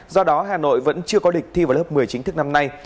do đó hà nội vẫn chưa có lịch thi vào lớp một mươi chính thức năm nay